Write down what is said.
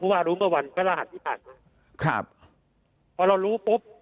ว่ารู้เมื่อวันพระรหัสที่ผ่านมาครับพอเรารู้ปุ๊บ